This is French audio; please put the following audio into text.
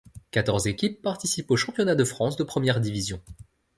Quatorze équipes participent au championnat de France de première division.